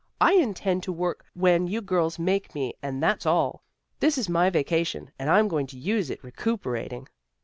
I intend to work when you girls make me and that's all. This is my vacation and I'm going to use it recuperating."